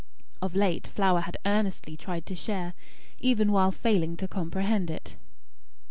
Of late, Flower had earnestly tried to share, even while failing to comprehend, it.